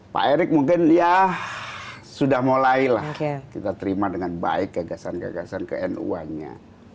pak erick mungkin ya sudah mulai lah kita terima dengan baik gagasan gagasan knu annya